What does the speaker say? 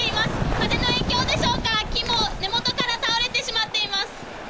風の影響でしょうか、木も根元から倒れてしまっています。